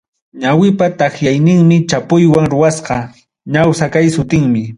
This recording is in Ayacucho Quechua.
Ñawipa takyayninmi chapuywan ruwasqa, ñawsa kay sutinmi.